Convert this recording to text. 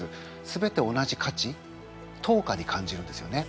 すべて同じかちとうかに感じるんですよね。